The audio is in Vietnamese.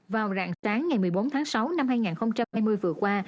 vào rạng sáng ngày một mươi bốn tháng sáu năm hai nghìn hai mươi vừa qua